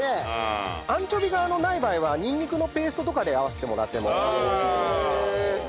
アンチョビがない場合はにんにくのペーストとかで合わせてもらっても美味しいと思いますね。